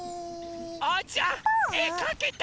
おうちゃん！えかけた？